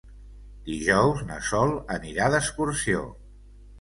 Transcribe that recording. Dijous na Sol anirà d'excursió.